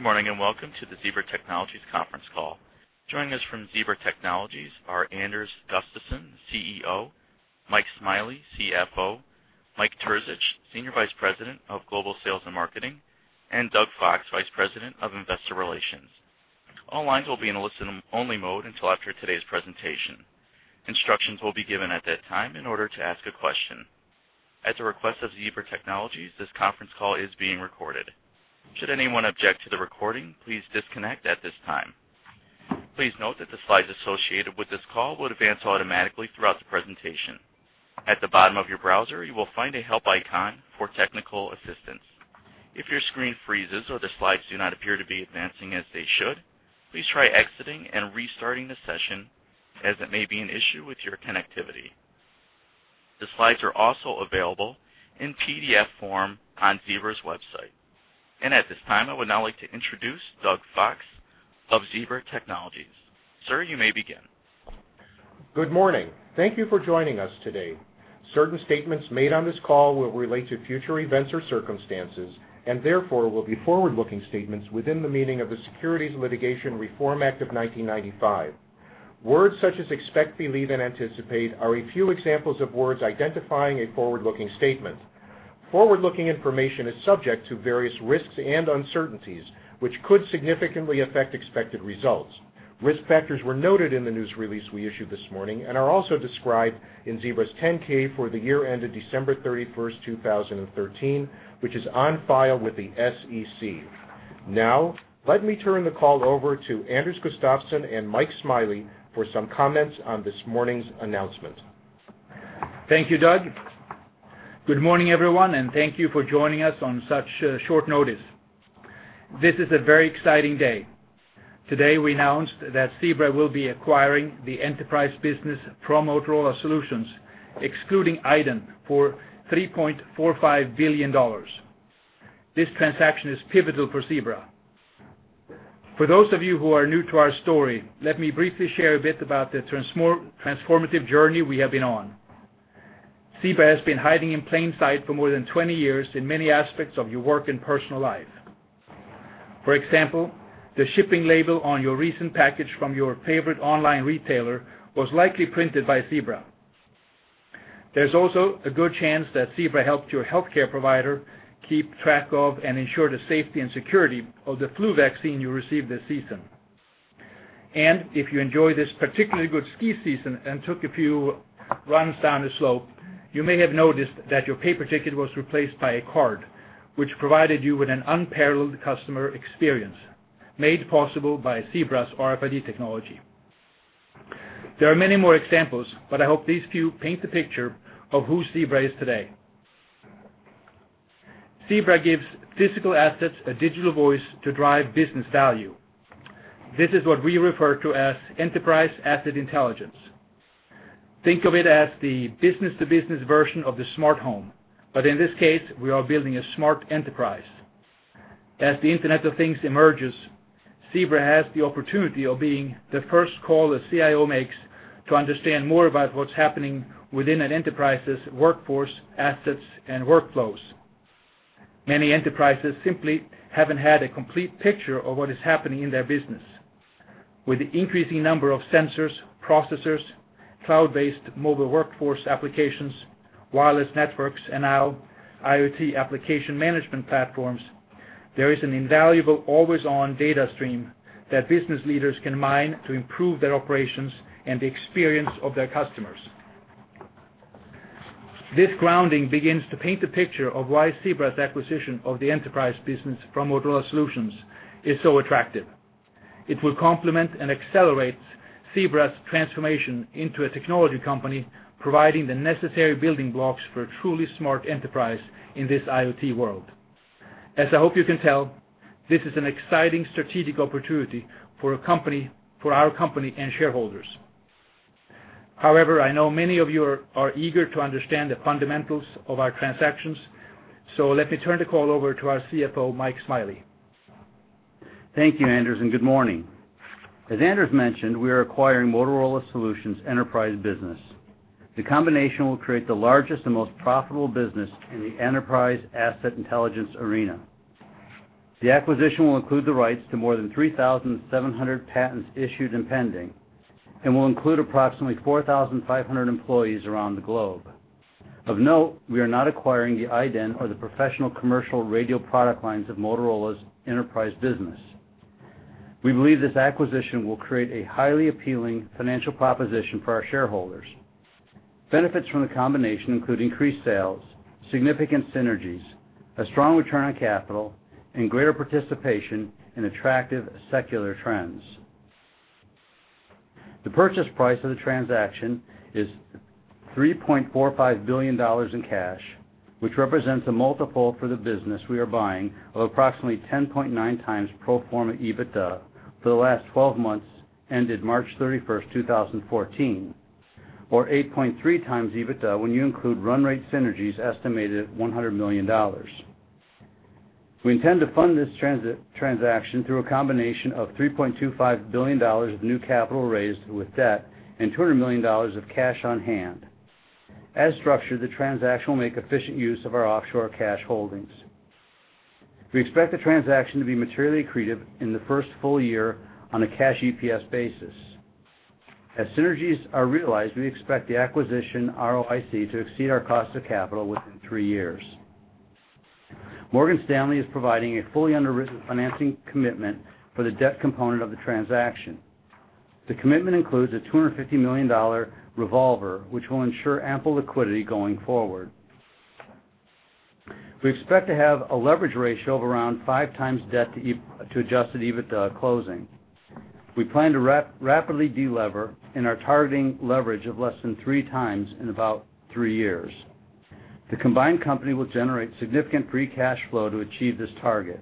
Good morning and welcome to the Zebra Technologies Conference Call. Joining us from Zebra Technologies are Anders Gustafsson, CEO, Mike Smiley, CFO, Mike Terzich, Senior Vice President of Global Sales and Marketing, and Doug Fox, Vice President of Investor Relations. All lines will be in a listen-only mode until after today's presentation. Instructions will be given at that time in order to ask a question. At the request of Zebra Technologies, this conference call is being recorded. Should anyone object to the recording, please disconnect at this time. Please note that the slides associated with this call will advance automatically throughout the presentation. At the bottom of your browser, you will find a help icon for technical assistance. If your screen freezes or the slides do not appear to be advancing as they should, please try exiting and restarting the session as it may be an issue with your connectivity. The slides are also available in PDF form on Zebra's website. At this time, I would now like to introduce Doug Fox of Zebra Technologies. Sir, you may begin. Good morning. Thank you for joining us today. Certain statements made on this call will relate to future events or circumstances and therefore will be forward-looking statements within the meaning of the Securities Litigation Reform Act of 1995. Words such as expect, believe, and anticipate are a few examples of words identifying a forward-looking statement. Forward-looking information is subject to various risks and uncertainties which could significantly affect expected results. Risk factors were noted in the news release we issued this morning and are also described in Zebra's 10-K for the year ended December 31st, 2013, which is on file with the SEC. Now, let me turn the call over to Anders Gustafsson and Mike Smiley for some comments on this morning's announcement. Thank you, Doug. Good morning, everyone, and thank you for joining us on such short notice. This is a very exciting day. Today, we announced that Zebra will be acquiring the Enterprise business of Motorola Solutions, excluding iDEN, for $3.45 billion. This transaction is pivotal for Zebra. For those of you who are new to our story, let me briefly share a bit about the transformative journey we have been on. Zebra has been hiding in plain sight for more than 20 years in many aspects of your work and personal life. For example, the shipping label on your recent package from your favorite online retailer was likely printed by Zebra. There's also a good chance that Zebra helped your healthcare provider keep track of and ensure the safety and security of the flu vaccine you received this season. If you enjoy this particularly good ski season and took a few runs down the slope, you may have noticed that your paper ticket was replaced by a card, which provided you with an unparalleled customer experience, made possible by Zebra's RFID technology. There are many more examples, but I hope these few paint the picture of who Zebra is today. Zebra gives physical assets a digital voice to drive business value. This is what we refer to as Enterprise Asset Intelligence. Think of it as the business-to-business version of the smart home, but in this case, we are building a smart enterprise. As the Internet of Things emerges, Zebra has the opportunity of being the first call a CIO makes to understand more about what's happening within an enterprise's workforce, assets, and workflows. Many enterprises simply haven't had a complete picture of what is happening in their business. With the increasing number of sensors, processors, cloud-based mobile workforce applications, wireless networks, and now IoT application management platforms, there is an invaluable, always-on data stream that business leaders can mine to improve their operations and the experience of their customers. This grounding begins to paint the picture of why Zebra's acquisition of the Enterprise business of Motorola Solutions is so attractive. It will complement and accelerate Zebra's transformation into a technology company, providing the necessary building blocks for a truly smart Enterprise in this IoT world. As I hope you can tell, this is an exciting strategic opportunity for our company and shareholders. However, I know many of you are eager to understand the fundamentals of our transactions, so let me turn the call over to our CFO, Mike Smiley. Thank you, Anders, and good morning. As Anders mentioned, we are acquiring Motorola Solutions' Enterprise business. The combination will create the largest and most profitable business in the Enterprise Asset Intelligence arena. The acquisition will include the rights to more than 3,700 patents issued and pending, and will include approximately 4,500 employees around the globe. Of note, we are not acquiring the iDEN or the professional commercial radio product lines of Motorola's Enterprise business. We believe this acquisition will create a highly appealing financial proposition for our shareholders. Benefits from the combination include increased sales, significant synergies, a strong return on capital, and greater participation in attractive secular trends. The purchase price of the transaction is $3.45 billion in cash, which represents a multiple for the business we are buying of approximately 10.9x pro forma EBITDA for the last 12 months ended March 31st, 2014, or 8.3x EBITDA when you include run rate synergies estimated at $100 million. We intend to fund this transaction through a combination of $3.25 billion of new capital raised with debt and $200 million of cash on hand. As structured, the transaction will make efficient use of our offshore cash holdings. We expect the transaction to be materially accretive in the first full year on a cash EPS basis. As synergies are realized, we expect the acquisition ROIC to exceed our cost of capital within three years. Morgan Stanley is providing a fully underwritten financing commitment for the debt component of the transaction. The commitment includes a $250 million revolver, which will ensure ample liquidity going forward. We expect to have a leverage ratio of around 5x debt to adjusted EBITDA closing. We plan to rapidly delever and are targeting leverage of less than 3x in about three years. The combined company will generate significant free cash flow to achieve this target.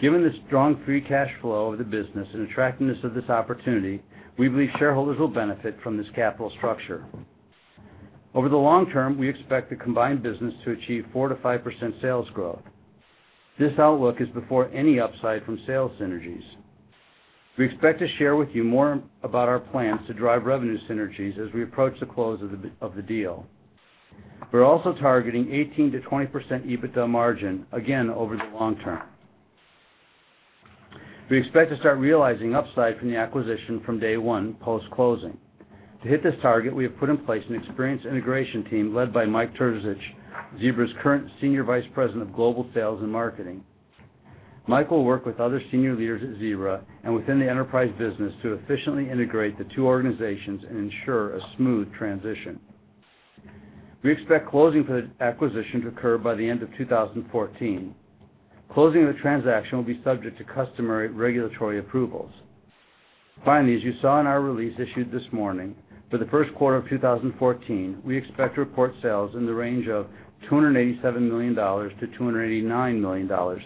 Given the strong free cash flow of the business and attractiveness of this opportunity, we believe shareholders will benefit from this capital structure. Over the long term, we expect the combined business to achieve 4%-5% sales growth. This outlook is before any upside from sales synergies. We expect to share with you more about our plans to drive revenue synergies as we approach the close of the deal. We're also targeting 18%-20% EBITDA margin, again, over the long term. We expect to start realizing upside from the acquisition from day one post-closing. To hit this target, we have put in place an experienced integration team led by Mike Terzich, Zebra's current Senior Vice President of Global Sales and Marketing. Mike will work with other senior leaders at Zebra and within the Enterprise business to efficiently integrate the two organizations and ensure a smooth transition. We expect closing for the acquisition to occur by the end of 2014. Closing of the transaction will be subject to customary regulatory approvals. Finally, as you saw in our release issued this morning, for the first quarter of 2014, we expect to report sales in the range of $287 million-$289 million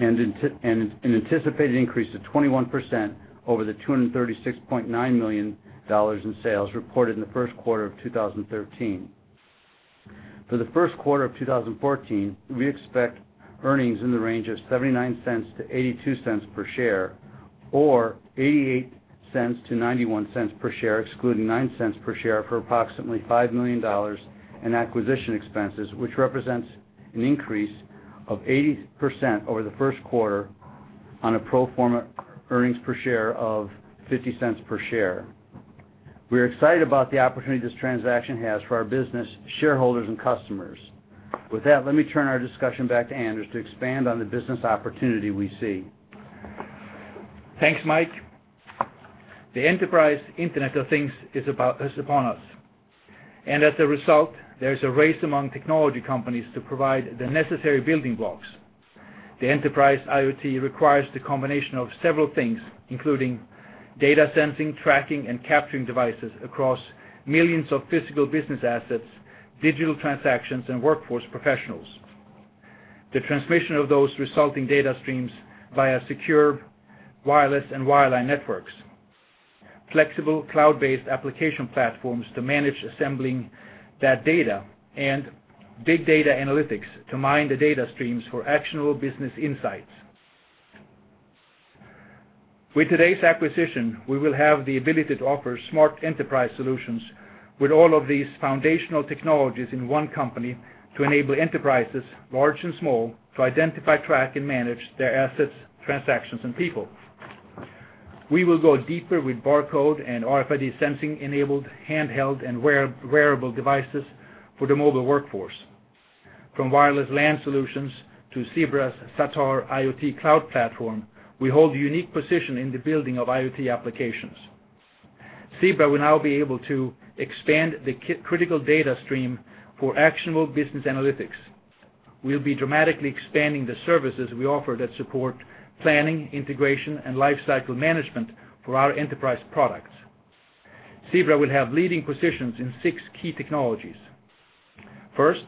and an anticipated increase of 21% over the $236.9 million in sales reported in the first quarter of 2013. For the first quarter of 2014, we expect earnings in the range of $0.79-$0.82 per share or $0.88-$0.91 per share, excluding $0.09 per share for approximately $5 million in acquisition expenses, which represents an increase of 80% over the first quarter on a pro forma earnings per share of $0.50 per share. We are excited about the opportunity this transaction has for our business, shareholders, and customers. With that, let me turn our discussion back to Anders to expand on the business opportunity we see. Thanks, Mike. The Enterprise Internet of Things is upon us. And as a result, there's a race among technology companies to provide the necessary building blocks. The Enterprise IoT requires the combination of several things, including data sensing, tracking, and capturing devices across millions of physical business assets, digital transactions, and workforce professionals. The transmission of those resulting data streams via secure wireless and wireline networks, flexible cloud-based application platforms to manage assembling that data, and big data analytics to mine the data streams for actionable business insights. With today's acquisition, we will have the ability to offer smart Enterprise solutions with all of these foundational technologies in one company to enable Enterprises, large and small, to identify, track, and manage their assets, transactions, and people. We will go deeper with barcode and RFID sensing-enabled handheld and wearable devices for the mobile workforce. From wireless LAN solutions to Zebra's Zatar IoT cloud platform, we hold a unique position in the building of IoT applications. Zebra will now be able to expand the critical data stream for actionable business analytics. We'll be dramatically expanding the services we offer that support planning, integration, and lifecycle management for our enterprise products. Zebra will have leading positions in six key technologies. First,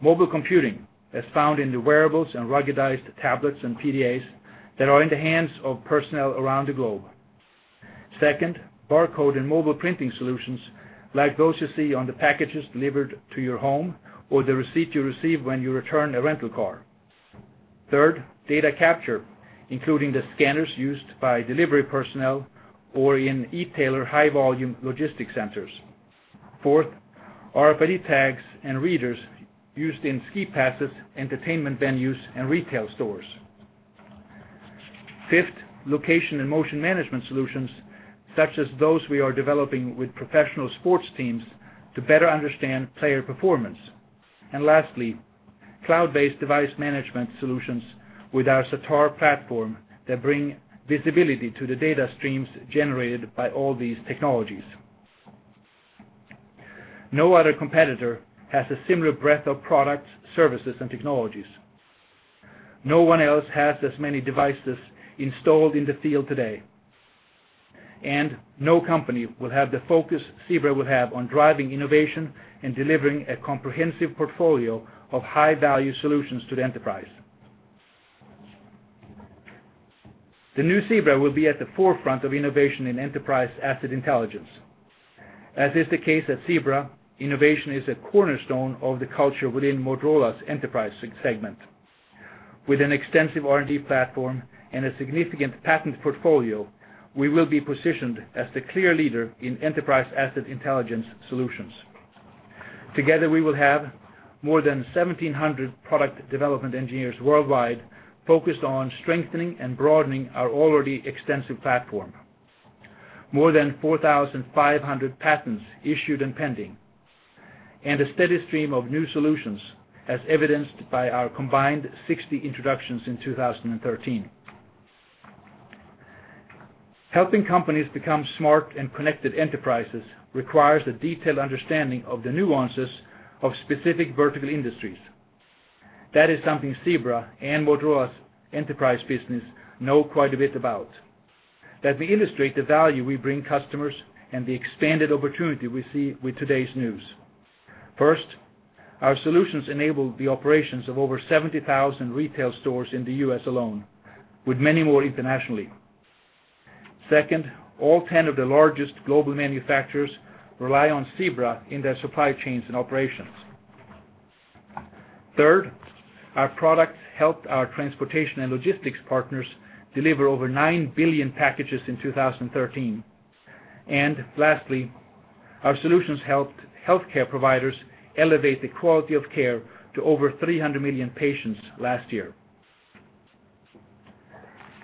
mobile computing, as found in the wearables and ruggedized tablets and PDAs that are in the hands of personnel around the globe. Second, barcode and mobile printing solutions like those you see on the packages delivered to your home or the receipt you receive when you return a rental car. Third, data capture, including the scanners used by delivery personnel or in e-tailer high-volume logistics centers. Fourth, RFID tags and readers used in ski passes, entertainment venues, and retail stores. Fifth, location and motion management solutions, such as those we are developing with professional sports teams, to better understand player performance. And lastly, cloud-based device management solutions with our Zatar platform that bring visibility to the data streams generated by all these technologies. No other competitor has a similar breadth of products, services, and technologies. No one else has as many devices installed in the field today. And no company will have the focus Zebra will have on driving innovation and delivering a comprehensive portfolio of high-value solutions to the Enterprise. The new Zebra will be at the forefront of innovation in Enterprise Asset Intelligence. As is the case at Zebra, innovation is a cornerstone of the culture within Motorola's Enterprise segment. With an extensive R&D platform and a significant patent portfolio, we will be positioned as the clear leader in Enterprise Asset Intelligence Solutions. Together, we will have more than 1,700 product development engineers worldwide focused on strengthening and broadening our already extensive platform, more than 4,500 patents issued and pending, and a steady stream of new solutions, as evidenced by our combined 60 introductions in 2013. Helping companies become smart and connected enterprises requires a detailed understanding of the nuances of specific vertical industries. That is something Zebra and Motorola's Enterprise business know quite a bit about. Let me illustrate the value we bring customers and the expanded opportunity we see with today's news. First, our solutions enable the operations of over 70,000 retail stores in the U.S. alone, with many more internationally. Second, all 10 of the largest global manufacturers rely on Zebra in their supply chains and operations. Third, our product helped our transportation and logistics partners deliver over 9 billion packages in 2013. Lastly, our solutions helped healthcare providers elevate the quality of care to over 300 million patients last year.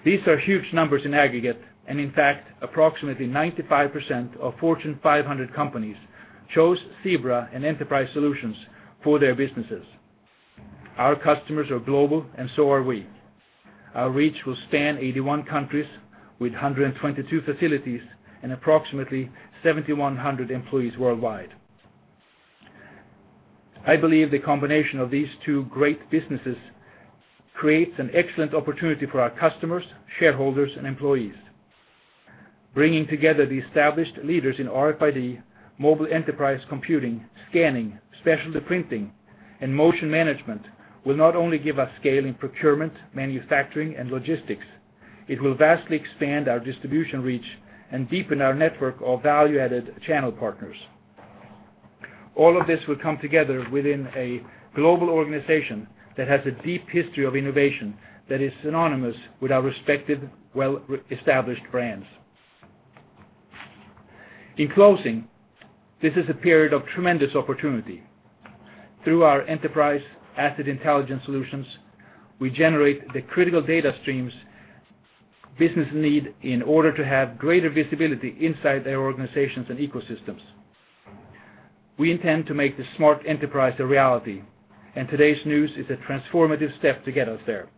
These are huge numbers in aggregate, and in fact, approximately 95% of Fortune 500 companies chose Zebra and Enterprise solutions for their businesses. Our customers are global, and so are we. Our reach will span 81 countries with 122 facilities and approximately 7,100 employees worldwide. I believe the combination of these two great businesses creates an excellent opportunity for our customers, shareholders, and employees. Bringing together the established leaders in RFID, mobile Enterprise computing, scanning, specialty printing, and motion management will not only give us scale in procurement, manufacturing, and logistics. It will vastly expand our distribution reach and deepen our network of value-added channel partners. All of this will come together within a global organization that has a deep history of innovation that is synonymous with our respective, well-established brands. In closing, this is a period of tremendous opportunity. Through our Enterprise Asset Intelligence solutions, we generate the critical data streams business need in order to have greater visibility inside their organizations and ecosystems. We intend to make the smart Enterprise a reality, and today's news is a transformative step to get us there.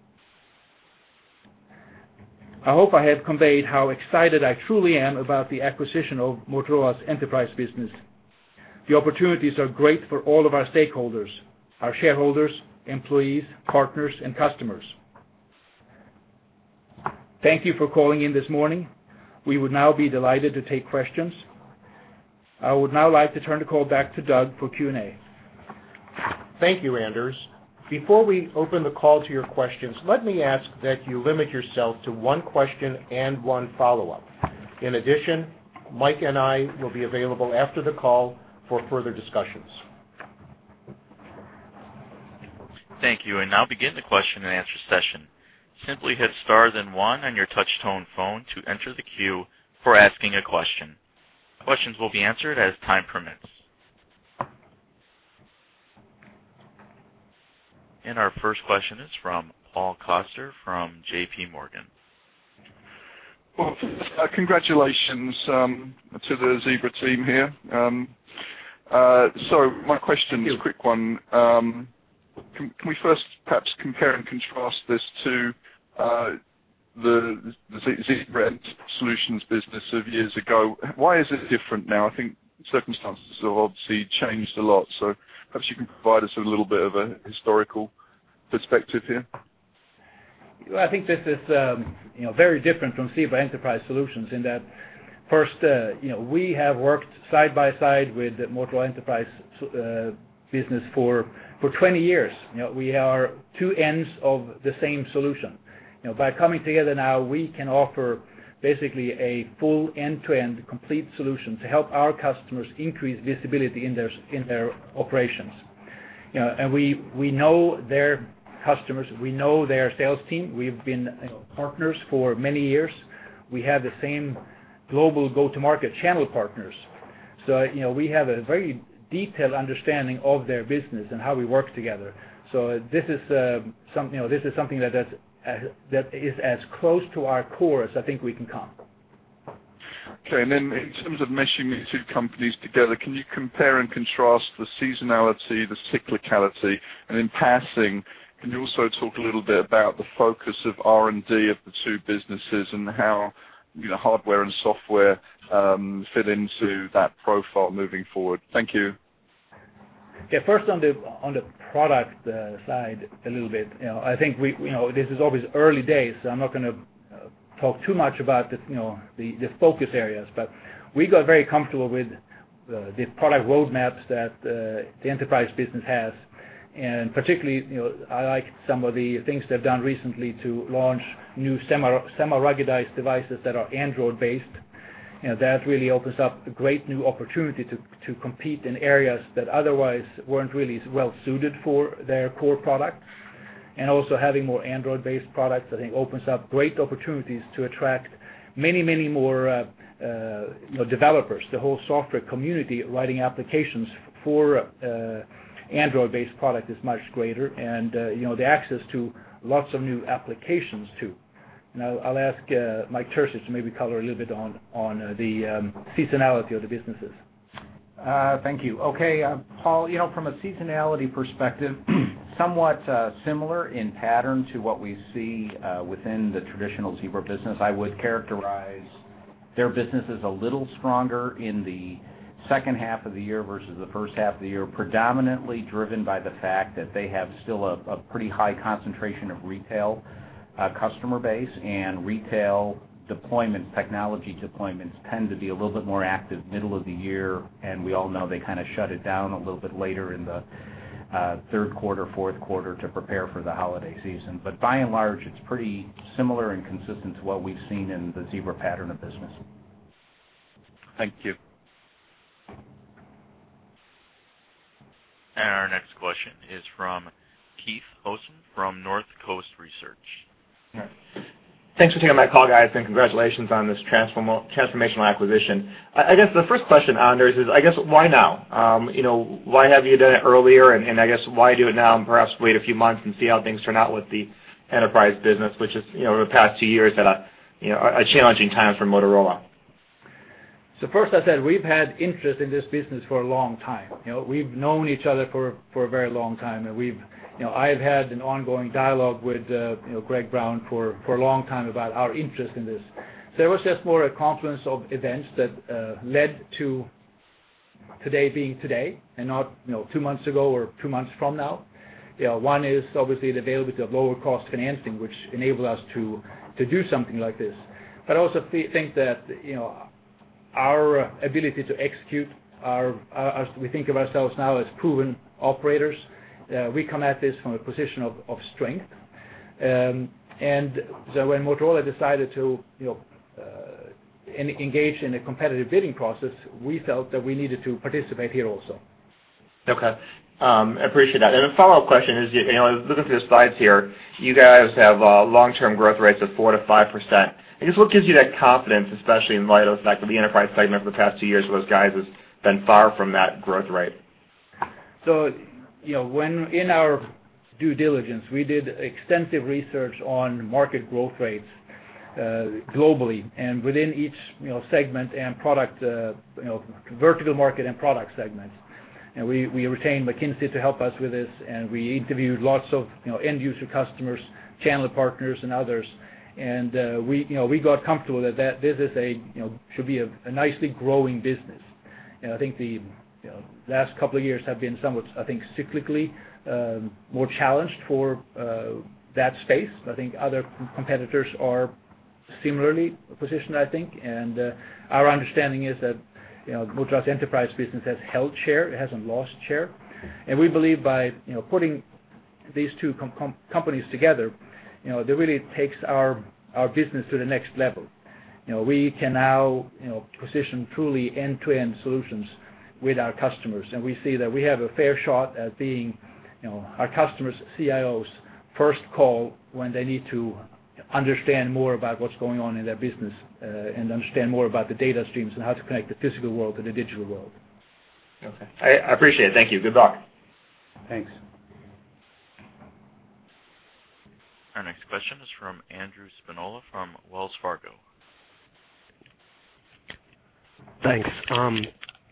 I hope I have conveyed how excited I truly am about the acquisition of Motorola's Enterprise business. The opportunities are great for all of our stakeholders: our shareholders, employees, partners, and customers. Thank you for calling in this morning. We would now be delighted to take questions. I would now like to turn the call back to Doug for Q&A. Thank you, Anders. Before we open the call to your questions, let me ask that you limit yourself to one question and one follow-up. In addition, Mike and I will be available after the call for further discussions. Thank you. Now begin the question and answer session. Simply hit star then one on your touch-tone phone to enter the queue for asking a question. Questions will be answered as time permits. Our first question is from Paul Coster from JPMorgan. Well, congratulations to the Zebra team here. So my question is a quick one. Can we first perhaps compare and contrast this to the Zebra Solutions business of years ago? Why is it different now? I think circumstances have obviously changed a lot. So perhaps you can provide us a little bit of a historical perspective here. I think this is very different from Zebra Enterprise Solutions in that first, we have worked side by side with the Motorola Enterprise business for 20 years. We are two ends of the same solution. By coming together now, we can offer basically a full end-to-end complete solution to help our customers increase visibility in their operations. We know their customers. We know their sales team. We've been partners for many years. We have the same global go-to-market channel partners. We have a very detailed understanding of their business and how we work together. This is something that is as close to our core as I think we can come. Okay. In terms of meshing the two companies together, can you compare and contrast the seasonality, the cyclicality, and in passing, can you also talk a little bit about the focus of R&D of the two businesses and how hardware and software fit into that profile moving forward? Thank you. Yeah. First, on the product side a little bit, I think this is always early days. I'm not going to talk too much about the focus areas, but we got very comfortable with the product roadmaps that the Enterprise business has. And particularly, I liked some of the things they've done recently to launch new semi-ruggedized devices that are Android-based. That really opens up a great new opportunity to compete in areas that otherwise weren't really well-suited for their core products. And also having more Android-based products, I think, opens up great opportunities to attract many, many more developers. The whole software community writing applications for Android-based products is much greater, and the access to lots of new applications too. And I'll ask Mike Terzich to maybe color a little bit on the seasonality of the businesses. Thank you. Okay. Paul, from a seasonality perspective, somewhat similar in pattern to what we see within the traditional Zebra business. I would characterize their business as a little stronger in the second half of the year versus the first half of the year, predominantly driven by the fact that they have still a pretty high concentration of retail customer base, and retail deployments, technology deployments tend to be a little bit more active middle of the year. And we all know they kind of shut it down a little bit later in the third quarter, fourth quarter to prepare for the holiday season. But by and large, it's pretty similar and consistent to what we've seen in the Zebra pattern of business. Thank you. Our next question is from Keith Housum from Northcoast Research. Thanks for taking my call, guys, and congratulations on this transformational acquisition. I guess the first question, Anders, is, I guess, why now? Why have you done it earlier? And I guess, why do it now and perhaps wait a few months and see how things turn out with the Enterprise business, which is over the past two years at a challenging time for Motorola? So first, I said we've had interest in this business for a long time. We've known each other for a very long time, and I've had an ongoing dialogue with Greg Brown for a long time about our interest in this. So it was just more a confluence of events that led to today being today and not two months ago or two months from now. One is obviously the availability of lower-cost financing, which enabled us to do something like this. But I also think that our ability to execute, as we think of ourselves now as proven operators, we come at this from a position of strength. And so when Motorola decided to engage in a competitive bidding process, we felt that we needed to participate here also. Okay. I appreciate that. A follow-up question is, looking through the slides here, you guys have long-term growth rates of 4%-5%. I guess, what gives you that confidence, especially in light of the fact that the Enterprise segment for the past two years for those guys has been far from that growth rate? So, in our due diligence, we did extensive research on market growth rates globally and within each segment and product vertical market and product segments. We retained McKinsey to help us with this, and we interviewed lots of end-user customers, channel partners, and others. We got comfortable that this should be a nicely growing business. I think the last couple of years have been somewhat, I think, cyclically more challenged for that space. I think other competitors are similarly positioned, I think. Our understanding is that Motorola's Enterprise business has held share. It hasn't lost share. We believe by putting these two companies together, it really takes our business to the next level. We can now position truly end-to-end solutions with our customers. We see that we have a fair shot at being our customers' CIOs' first call when they need to understand more about what's going on in their business and understand more about the data streams and how to connect the physical world to the digital world. Okay. I appreciate it. Thank you. Good luck. Thanks. Our next question is from Andrew Spinola from Wells Fargo. Thanks.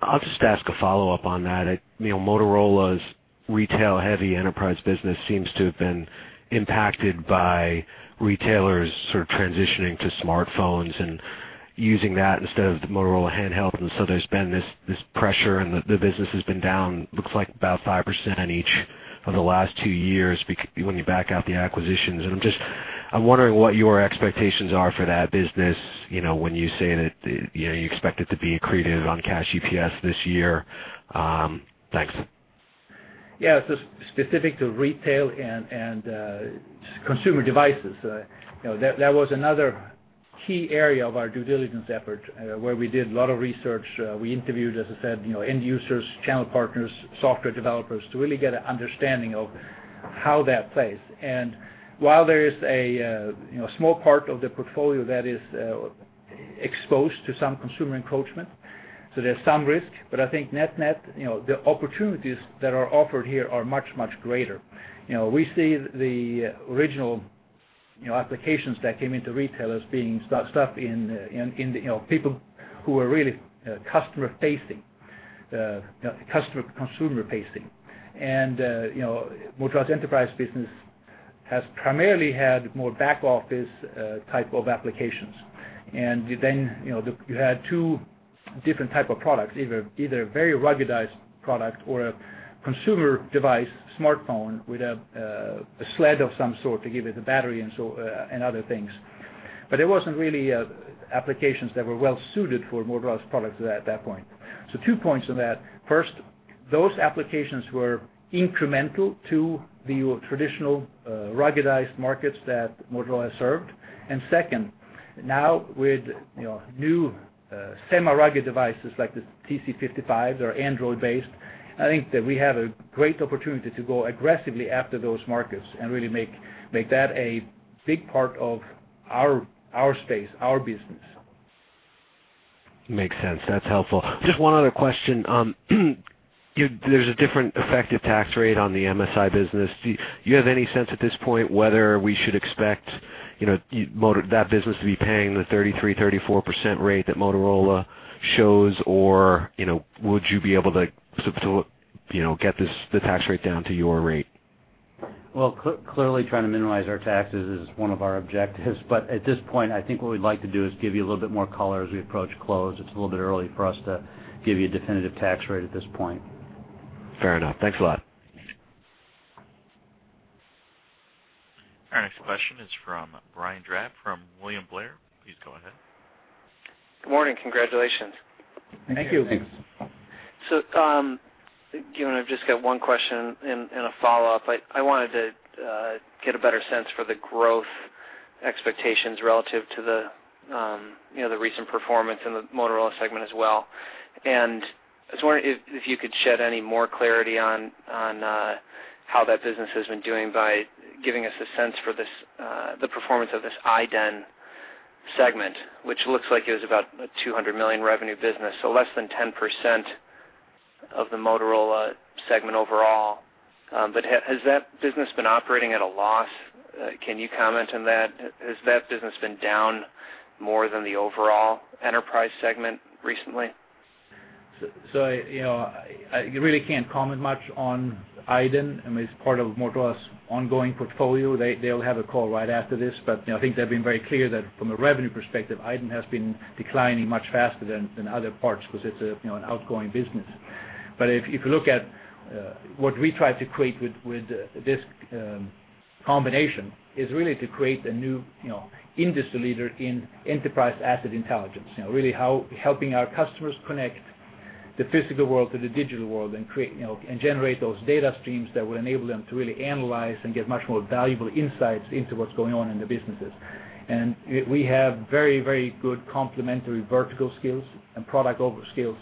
I'll just ask a follow-up on that. Motorola's retail-heavy Enterprise business seems to have been impacted by retailers sort of transitioning to smartphones and using that instead of the Motorola handheld. And so there's been this pressure, and the business has been down, looks like, about 5% each of the last two years when you back out the acquisitions. And I'm wondering what your expectations are for that business when you say that you expect it to be accretive on cash EPS this year. Thanks. Yeah. So specific to retail and consumer devices, that was another key area of our due diligence effort where we did a lot of research. We interviewed, as I said, end users, channel partners, software developers to really get an understanding of how that plays. And while there is a small part of the portfolio that is exposed to some consumer encroachment, so there's some risk, but I think net-net the opportunities that are offered here are much, much greater. We see the original applications that came into retail as being staff in people who are really customer-facing, customer-consumer-facing. And Motorola's Enterprise business has primarily had more back-office type of applications. And then you had two different types of products, either a very ruggedized product or a consumer device, smartphone, with a sled of some sort to give it the battery and other things. But there weren't really applications that were well-suited for Motorola's products at that point. So two points on that. First, those applications were incremental to the traditional ruggedized markets that Motorola served. And second, now with new semi-rugged devices like the TC55 that are Android-based, I think that we have a great opportunity to go aggressively after those markets and really make that a big part of our space, our business. Makes sense. That's helpful. Just one other question. There's a different effective tax rate on the MSI business. Do you have any sense at this point whether we should expect that business to be paying the 33%-34% rate that Motorola shows, or would you be able to get the tax rate down to your rate? Well, clearly, trying to minimize our taxes is one of our objectives. But at this point, I think what we'd like to do is give you a little bit more color as we approach close. It's a little bit early for us to give you a definitive tax rate at this point. Fair enough. Thanks a lot. Our next question is from Brian Drab from William Blair. Please go ahead. Good morning. Congratulations. Thank you. Thank you. So Gustafsson, I've just got one question and a follow-up. I wanted to get a better sense for the growth expectations relative to the recent performance in the Motorola segment as well. And I was wondering if you could shed any more clarity on how that business has been doing by giving us a sense for the performance of this iDEN segment, which looks like it was about a $200 million revenue business, so less than 10% of the Motorola segment overall. But has that business been operating at a loss? Can you comment on that? Has that business been down more than the overall Enterprise segment recently? So I really can't comment much on iDEN. I mean, it's part of Motorola's ongoing portfolio. They'll have a call right after this. But I think they've been very clear that from a revenue perspective, iDEN has been declining much faster than other parts because it's an outgoing business. But if you look at what we tried to create with this combination, it's really to create a new industry leader in Enterprise Asset Intelligence, really helping our customers connect the physical world to the digital world and generate those data streams that will enable them to really analyze and get much more valuable insights into what's going on in the businesses. And we have very, very good complementary vertical skills and product offer skills.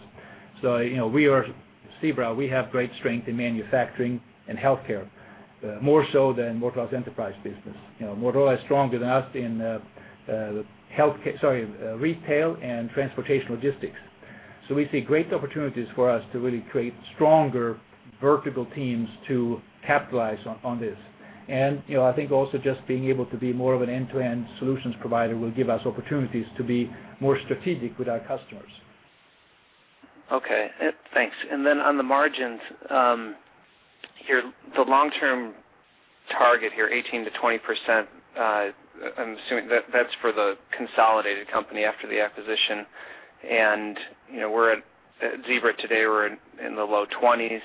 So we are Zebra. We have great strength in manufacturing and healthcare, more so than Motorola's Enterprise business. Motorola is stronger than us in healthcare, sorry, retail and transportation logistics. So we see great opportunities for us to really create stronger vertical teams to capitalize on this. And I think also just being able to be more of an end-to-end solutions provider will give us opportunities to be more strategic with our customers. Okay. Thanks. And then on the margins here, the long-term target here, 18%-20%, I'm assuming that's for the consolidated company after the acquisition. And we're at Zebra today. We're in the low 20s.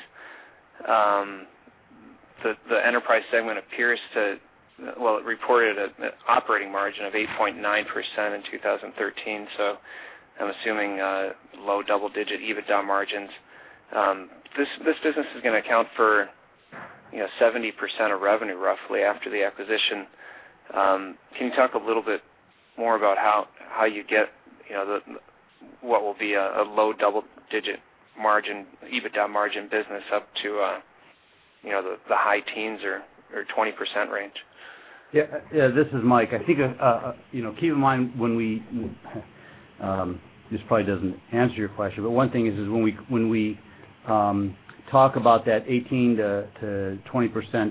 The Enterprise segment appears to, well, it reported an operating margin of 8.9% in 2013. So I'm assuming low double-digit EBITDA margins. This business is going to account for 70% of revenue, roughly, after the acquisition. Can you talk a little bit more about how you get what will be a low double-digit margin, EBITDA margin business up to the high teens or 20% range? Yeah. This is Mike. I think keep in mind when we, this probably doesn't answer your question, but one thing is when we talk about that 18%-20%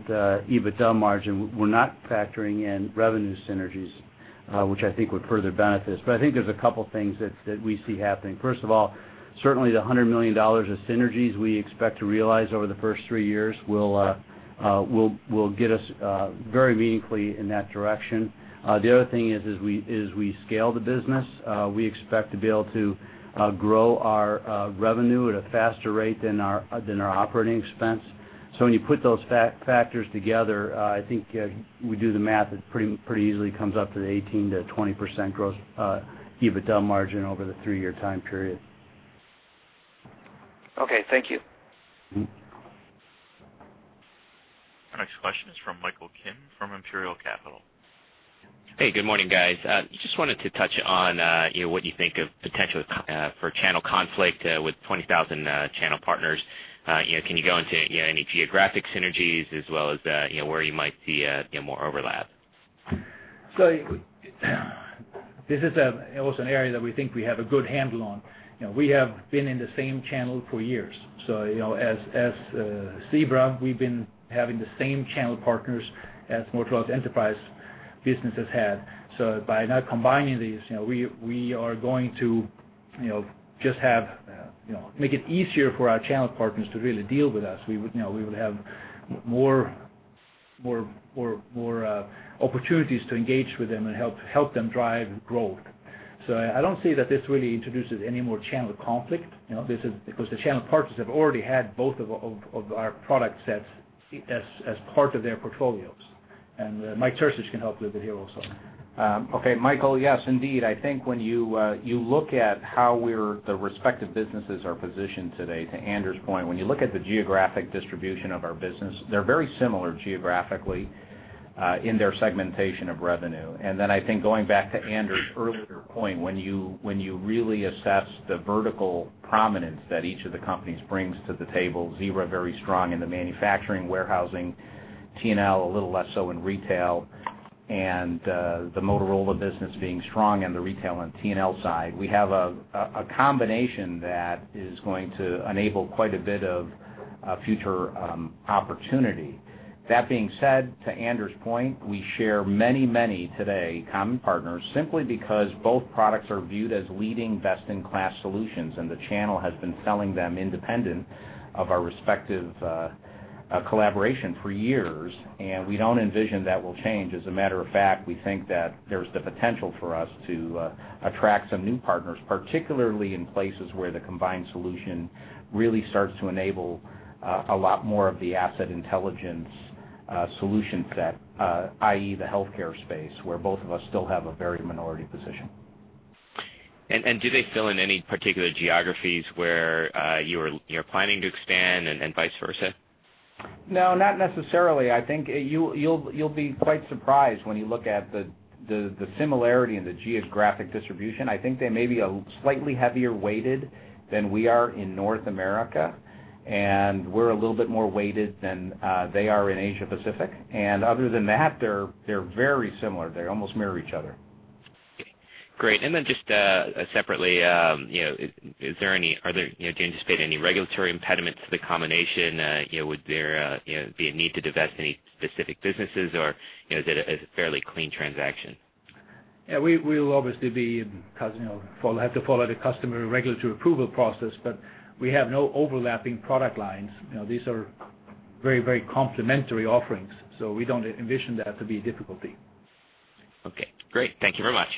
EBITDA margin, we're not factoring in revenue synergies, which I think would further benefit us. But I think there's a couple of things that we see happening. First of all, certainly the $100 million of synergies we expect to realize over the first three years will get us very meaningfully in that direction. The other thing is as we scale the business, we expect to be able to grow our revenue at a faster rate than our operating expense. So when you put those factors together, I think we do the math. It pretty easily comes up to the 18%-20% growth EBITDA margin over the three-year time period. Okay. Thank you. Our next question is from Michael Kim from Imperial Capital. Hey, good morning, guys. Just wanted to touch on what you think of potential for channel conflict with 20,000 channel partners. Can you go into any geographic synergies as well as where you might see more overlap? This is also an area that we think we have a good handle on. We have been in the same channel for years. As Zebra, we've been having the same channel partners as Motorola's Enterprise business has had. By now combining these, we are going to just make it easier for our channel partners to really deal with us. We would have more opportunities to engage with them and help them drive growth. I don't see that this really introduces any more channel conflict because the channel partners have already had both of our product sets as part of their portfolios. Mike Terzich can help with it here also. Okay. Michael, yes, indeed. I think when you look at how the respective businesses are positioned today, to Andrew's point, when you look at the geographic distribution of our business, they're very similar geographically in their segmentation of revenue. And then I think going back to Anders's earlier point, when you really assess the vertical prominence that each of the companies brings to the table, Zebra very strong in the manufacturing, warehousing, T&L a little less so in retail, and the Motorola business being strong in the retail and T&L side, we have a combination that is going to enable quite a bit of future opportunity. That being said, to Anders's point, we share many, many today common partners simply because both products are viewed as leading best-in-class solutions, and the channel has been selling them independent of our respective collaboration for years. And we don't envision that will change. As a matter of fact, we think that there's the potential for us to attract some new partners, particularly in places where the combined solution really starts to enable a lot more of the asset intelligence solution set, i.e., the healthcare space, where both of us still have a very minority position. Do they fill in any particular geographies where you're planning to expand and vice versa? No, not necessarily. I think you'll be quite surprised when you look at the similarity in the geographic distribution. I think they may be slightly heavier weighted than we are in North America, and we're a little bit more weighted than they are in Asia-Pacific. Other than that, they're very similar. They almost mirror each other. Great. Just separately, do you anticipate any regulatory impediments to the combination? Would there be a need to divest any specific businesses, or is it a fairly clean transaction? Yeah. We will obviously have to follow the customer regulatory approval process, but we have no overlapping product lines. These are very, very complementary offerings. So we don't envision that to be a difficulty. Okay. Great. Thank you very much.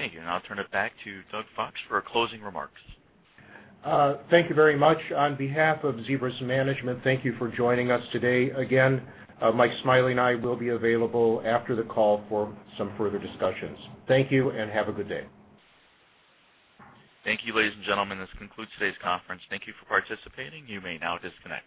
Thank you. I'll turn it back to Doug Fox for closing remarks. Thank you very much. On behalf of Zebra's management, thank you for joining us today. Again, Mike Smiley and I will be available after the call for some further discussions. Thank you and have a good day. Thank you, ladies and gentlemen. This concludes today's conference. Thank you for participating. You may now disconnect.